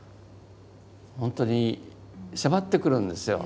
本当に迫ってくるんですよ。